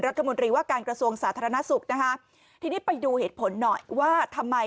รัฐมนตรีว่าการกระทรวงสาธารณสุขนะคะทีนี้ไปดูเหตุผลหน่อยว่าทำไม